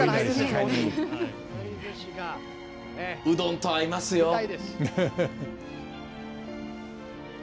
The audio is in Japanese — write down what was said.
うどんと合いますよ。